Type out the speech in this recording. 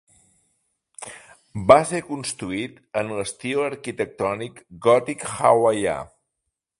Va ser construït en l'estil arquitectònic gòtic hawaià.